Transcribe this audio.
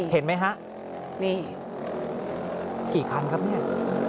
เห็นไหมฮะนี่กี่คันครับเนี่ย